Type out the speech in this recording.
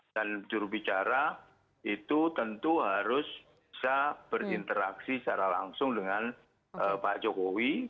dan jurubicara itu tentu harus bisa berinteraksi secara langsung dengan pak jokowi